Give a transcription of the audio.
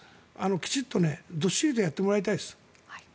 きちんと、どっしりとやってもらいたいです。